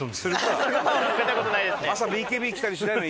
朝ＢＫＢ来たりしないの？